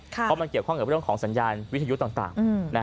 เพราะมันเกี่ยวข้องกับเรื่องของสัญญาณวิทยุต่าง